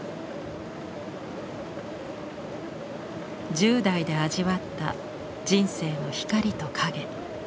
１０代で味わった人生の光と影。